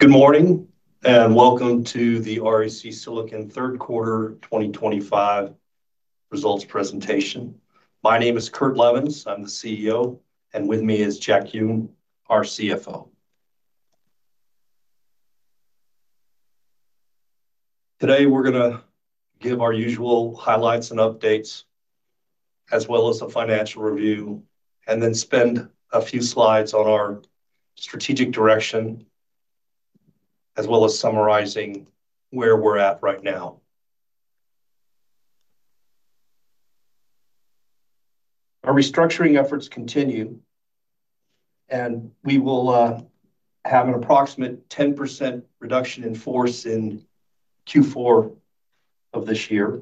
Good morning and welcome to the REC Silicon third quarter 2025 results presentation. My name is Kurt Levens, I'm the CEO and with me is Jack Yoon, our CFO. Today we're going to give our usual highlights and updates as well as a financial review and then spend a few slides on our strategic direction as well as summarizing where we're at right now. Our restructuring efforts continue and we will have an approximate 10% reduction in force in Q4 of this year.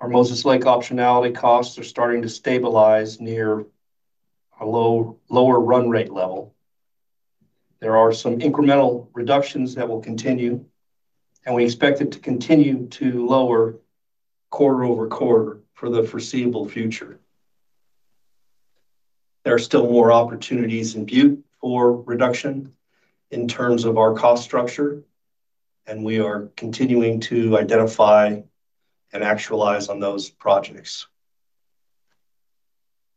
Our Moses Lake optionality costs are starting to stabilize near a lower run rate level. There are some incremental reductions that will continue and we expect it to continue to lower quarter over quarter for the foreseeable future. There are still more opportunities in Butte for reduction in terms of our cost structure and we are continuing to identify and actualize on those projects.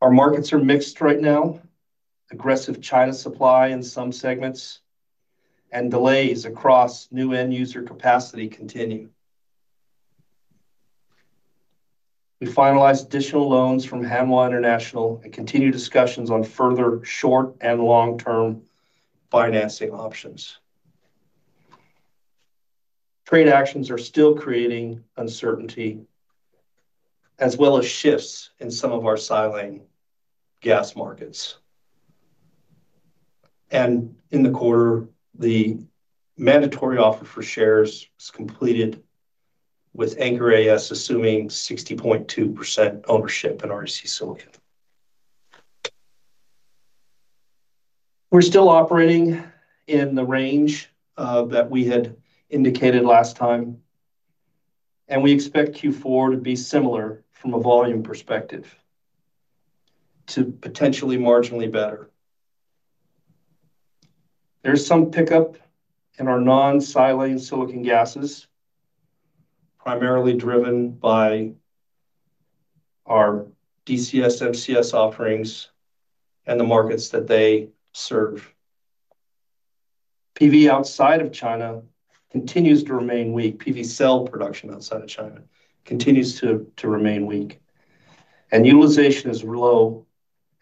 Our markets are mixed right now. Aggressive China supply in some segments and delays across new end user capacity continue. We finalized additional loans from Hanwha International and continue discussions on further short and long term financing options. Trade actions are still creating uncertainty as well as shifts in some of our silane gas markets and in the quarter. The mandatory offer for shares was completed with Aker ASA assuming 60.2% ownership in REC Silicon. We're still operating in the range that we had indicated last time and we expect Q4 to be similar from a volume perspective to potentially marginally better. There's some pickup in our non-silane silicon gases primarily driven by our DCS, MCS offerings and the markets that they serve. PV outside of China continues to remain weak, PV cell production outside of China continues to remain weak and utilization is low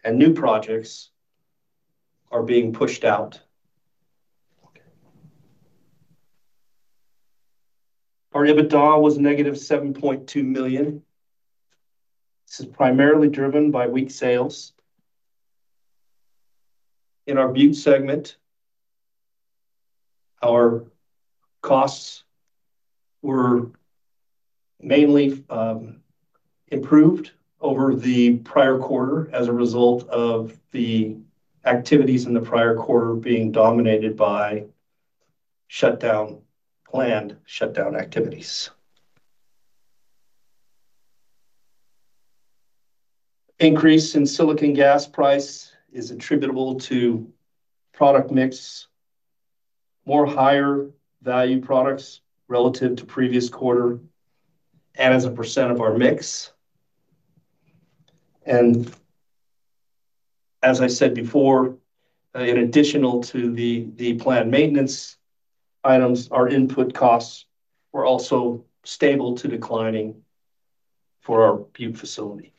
and new projects are being pushed out. Our EBITDA was -$7.2 million. This is primarily driven by weak sales in our Butte segment. Our costs were mainly improved over the prior quarter as a result of the activities in the prior quarter being dominated by planned shutdown activities. Increase in silicon gas price is attributable to product mix, more higher value products relative to previous quarter and as a % of our mix. As I said before, in addition to the planned maintenance items, our input costs were also stable to declining. For our Butte facility,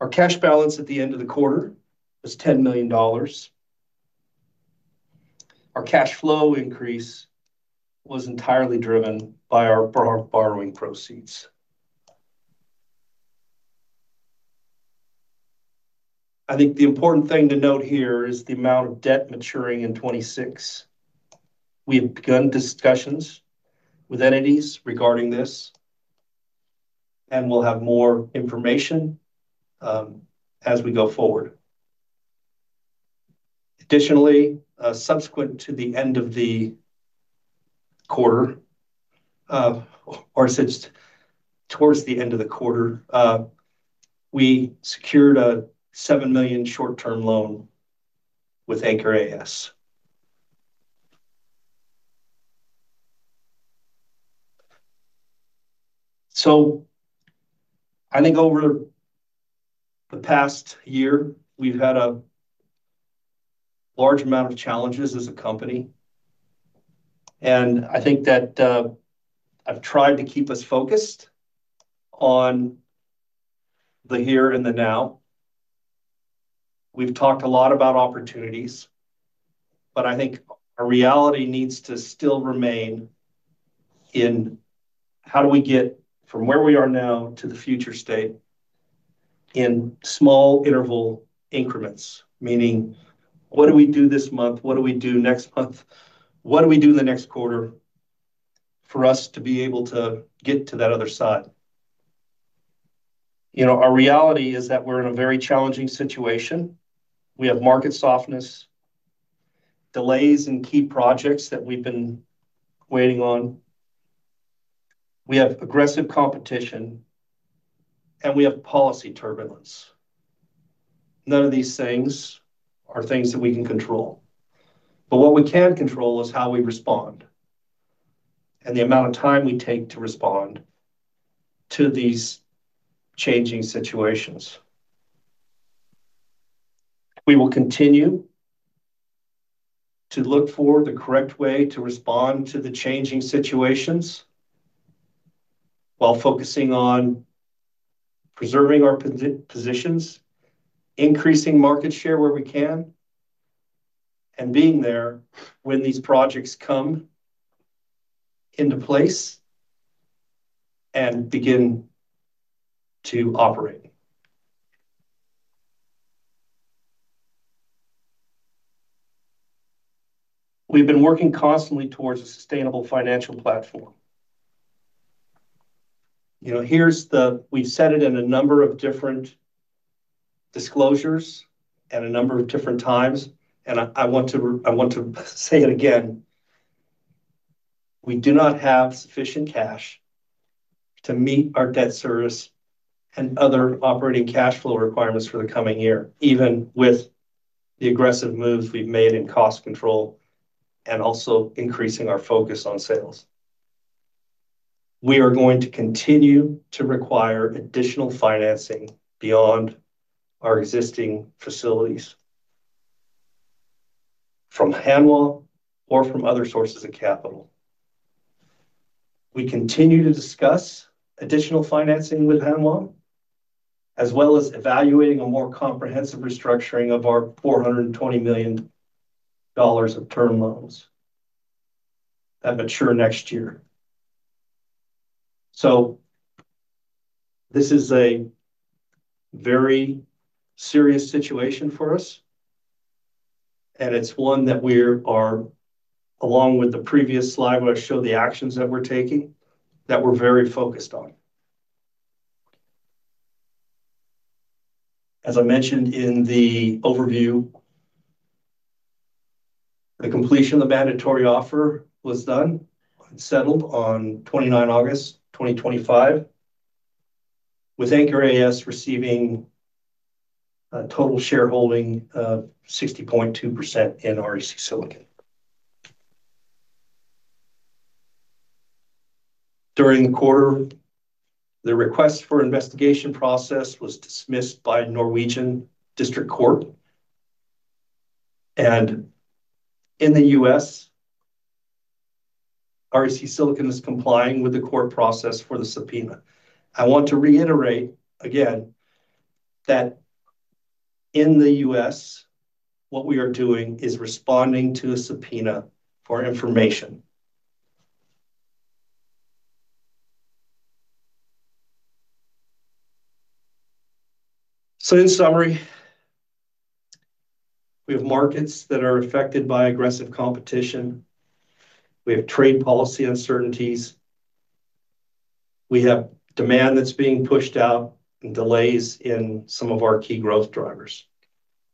our cash balance at the end of the quarter was $10 million. Our cash flow increase was entirely driven by our borrowing proceed. I think the important thing to note here is the amount of debt maturing in 2026. We have begun discussions with entities regarding this and we'll have more information as we go forward. Additionally, subsequent to the end of the quarter or since towards the end of the quarter we secured a $7 million short term loan with Aker ASA. I think over the past year we've had a large amount of challenges as a company and I think that I've tried to keep us focused on the here and the now. We've talked a lot about opportunities, but I think a reality needs to still remain in how do we get from where we are now to the future state in small interval increments, maybe, meaning what do we do this month, what do we do next month, what do we do in the next quarter for us to be able to get to that other side? You know, our reality is that we're in a very challenging situation. We have market softness, delays in key projects that we've been waiting on. We have aggressive competition and we have policy turbulence. None of these things are things that we can control. What we can control is how we respond and the amount of time we take to respond to these changing situations. We will continue to look for the correct way to respond to the changing situations while focusing on preserving our positions, increasing market share where we can and being there when these projects come into place and begin to operate. We've been working constantly towards a sustainable financial platform. You know, here's the, we've said it in a number of different disclosures and a number of different times and I want to, I want to say it again. We do not have sufficient cash to meet our debt service and other operating cash flow requirements for the coming year. Even with the aggressive moves we've made in cost control and also increasing our focus on sales, we are going to continue to require additional financing beyond our existing facilities from Hanwha or from other sources of capital. We continue to discuss additional financing with Hanwha as well as evaluating a more comprehensive restructuring of our $420 million of term loans that mature next year. This is a very serious situation for us and it is one that we are, along with the previous slide where I show the actions that we are taking, that we are very focused on. As I mentioned in the overview. The completion of the mandatory offer was done settled on 29th August 2025 with Aker as receiving a total shareholding of 60.2% in REC Silicon during the quarter. The request for investigation process was dismissed by Norwegian District Court and in the U.S. REC Silicon is complying with the court process for the subpoena. I want to reiterate again that in the U.S. what we are doing is responding to a subpoena for information. In summary we have markets that are affected by aggressive competition, we have trade policy uncertainties, we have demand that's being pushed out and delays in some of our key growth drivers.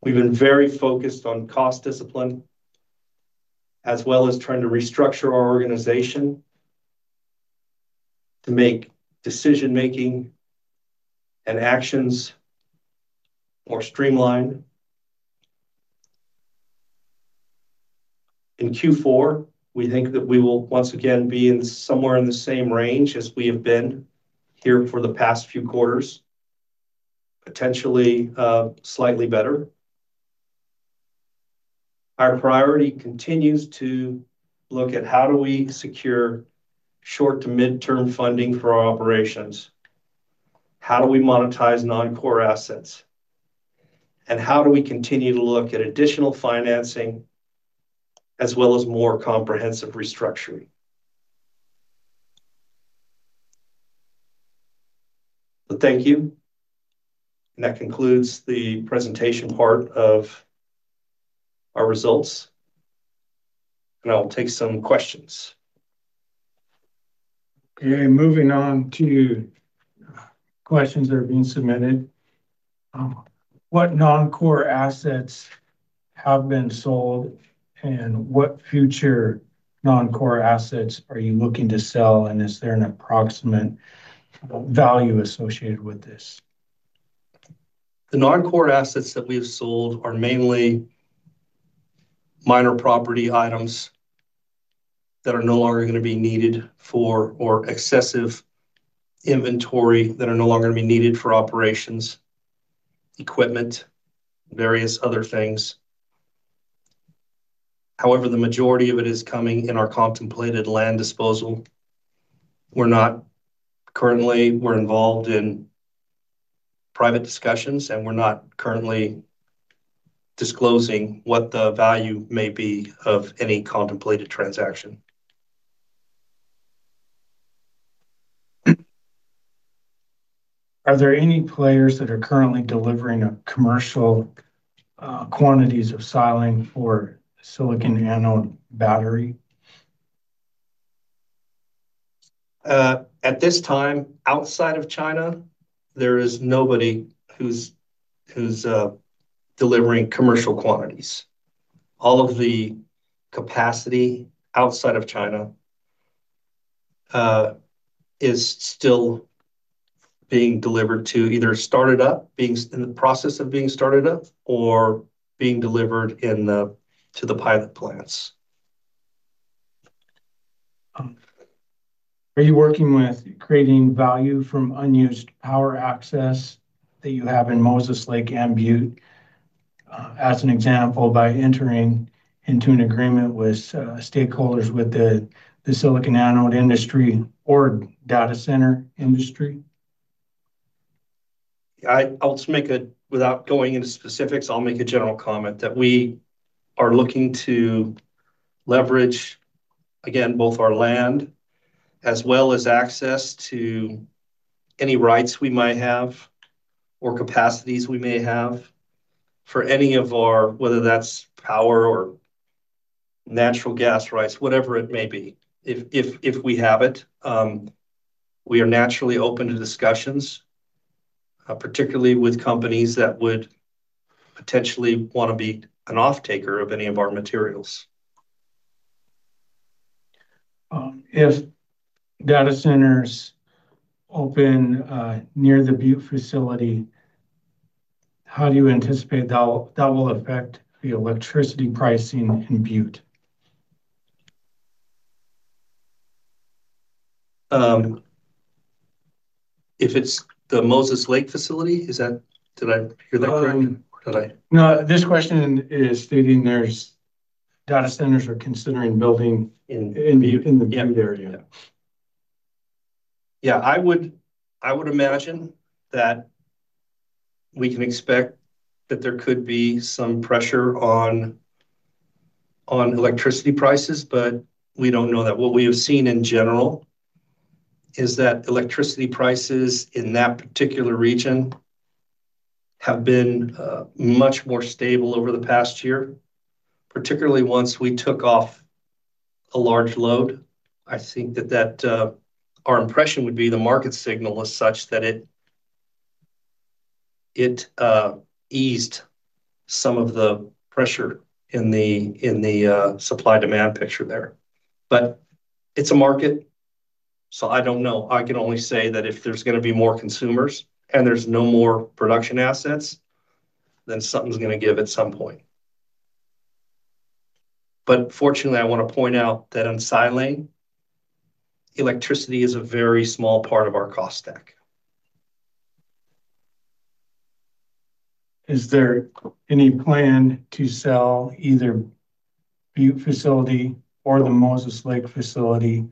We've been very focused on cost discipline as well as trying to restructure our organization to make decision making and actions more streamlined in Q4. We think that we will once again be in somewhere in the same range as we have been here for the past few quarters, potentially slightly better. Our priority continues to look at how do we secure short to midterm funding for our operations, how do we monetize non core assets, and how do we continue to look at additional financing as well as more comprehensive restructuring. Thank you. That concludes the presentation part of our results and I will take some questions. Okay, moving on to questions that are being submitted. What non core assets have been sold and what future non core assets are you looking to sell and is there an approximate value associated with this? The non core assets that we have sold are mainly minor property items that are no longer going to be needed for or excessive inventory that are no longer be needed for operations, equipment, various other things. However, the majority of it is coming in our contemplated land disposal. We're not currently, we're involved in private discussions and we're not currently disclosing what the value may be of any contemplated transaction. Are there any players that are currently delivering commercial quantities of silane for silicon anode battery? At this time outside of China? There is nobody who's delivering commercial quantities. All of the capacity outside of China is still being delivered to either started up, being in the process of being started up, or being delivered to the pilot plants. Are you working with creating value from unused power access that you have in Moses Lake and Butte as an example by entering into an agreement with stakeholders with the silicon anode industry or data center industry? I'll just make it without going into specifics. I'll make a general comment that we are looking to leverage again both our land as well as access to any rights we might have or capacities we may have for any of our, whether that's power or natural gas, rice, whatever it may be. If we have it, we are naturally open to discussions, particularly with companies that would potentially want to be an off taker of any of our materials. If data centers open near the Butte facility, how do you anticipate that that will affect the electricity pricing in Butte? Is it the Moses Lake facility? Did I hear that correct? No. This question is stating there's data centers are considering building in. In the Butte area, yeah, I would imagine that we can expect that there could be some pressure on electricity prices, but we do not know that. What we have seen in general is that electricity prices in that particular region have been much more stable over the past year, particularly once we took off a large load. I think that our impression would be the market signal is such that eased some of the pressure in the supply-demand picture there. It is a market, so I do not know. I can only say that if there is going to be more consumers and there is no more production assets, then something is going to give at some point. Fortunately, I want to point out that on silane, electricity is a very small part of our cost stack. Is there any plan to sell either Butte facility or the Moses Lake facility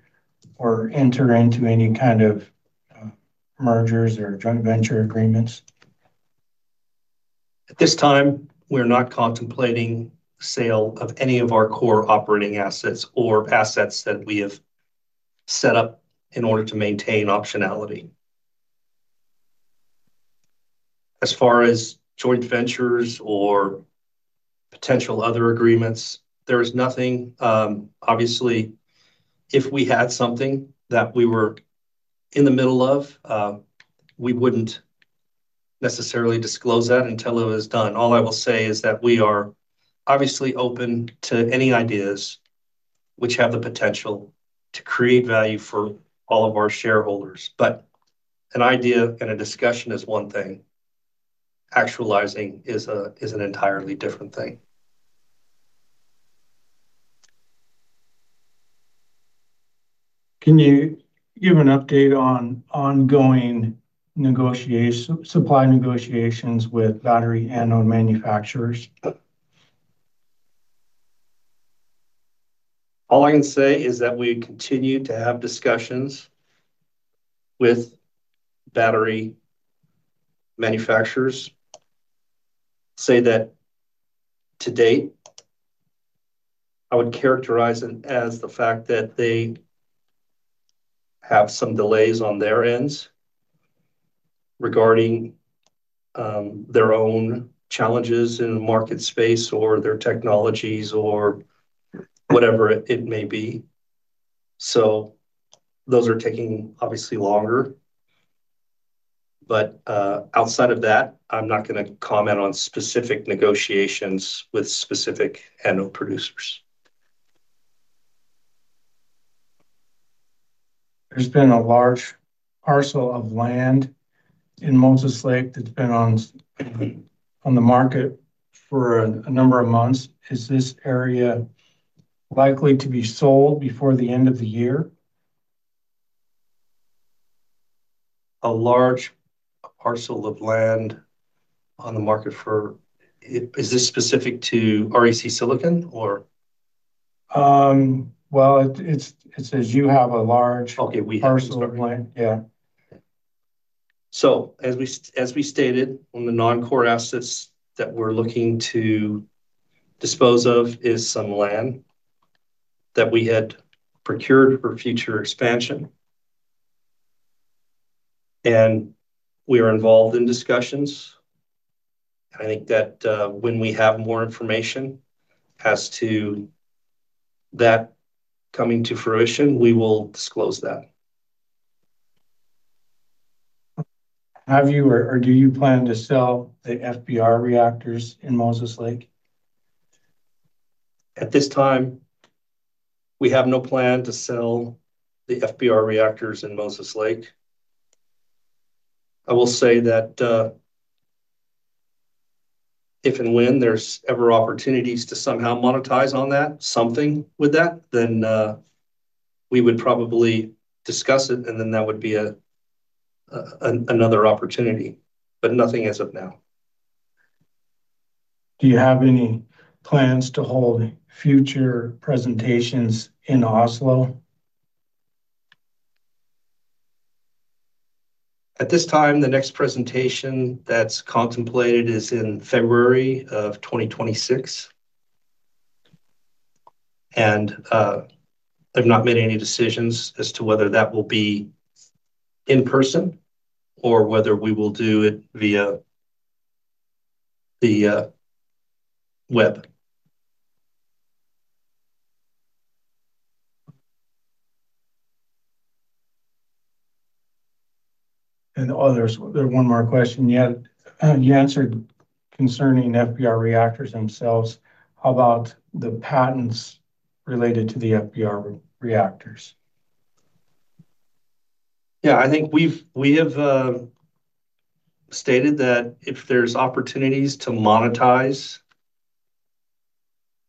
or enter into any kind of mergers or joint venture agreements? At this time? We're not contemplating sale of any of our core operating assets or assets that we have set up in order to maintain optionality. As far as joint ventures or potential other agreements, there is nothing. Obviously if we had something that we were in the middle of, we wouldn't necessarily disclose that until it was done. All I will say is that we are obviously open to any ideas which have the potential to create value for all of our shareholders. An idea and a discussion is one thing. Actualizing is a. Is an entirely different thing. Can you give an update on ongoing supply negotiations with battery anode manufacturers? All I can say is that we continue to have discussions with battery manufacturers. Say that to date, I would characterize it as the fact that they have some delays on their ends regarding their own challenges in market space or their technologies or whatever it may be. Those are taking obviously longer, but outside of that I'm not going to comment on specific negotiations with specific animal producers. There's been a large parcel of land in Moses Lake that's been on the market for a number of months. Is this area likely to be sold before the end of the year? A large parcel of land on the market for. Is this specific to REC Silicon or. It says you have a large. Okay, we have. Yeah. As we stated on the non core assets that we're looking to dispose of is some land that we had procured for future expansion. We are involved in discussions. I think that when we have more information as to that coming to fruition, we will disclose that. Have you or do you plan to sell the FBR reactors in Moses Lake? At this time we have no plan to sell the FBR reactors in Moses Lake. I will say that if and when there's ever opportunities to somehow monetize on that something with that then we would probably discuss it and then that would be another opportunity but nothing as of now. Do you have any plans to hold future presentations in Oslo? At this time? The next presentation that's contemplated is in February of 2026 and I've not made any decisions as to whether that will be in person or whether we will do it via the web. Oh, there's one more question yet you answered concerning FBR reactors themselves. How about the patents related to the FBR reactors? Yeah, I think we've, we have stated that if there's opportunities to monetize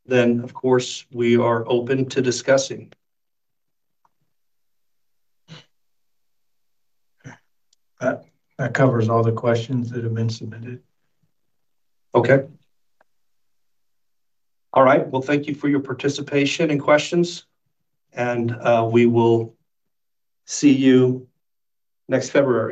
then of course we are open to discussing that. That covers all the questions that have been submitted. Okay. All right. Thank you for your participation and questions and we will see you next February.